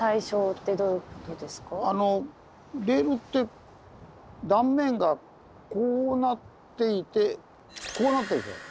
レールって断面がこうなっていてこうなってるでしょ。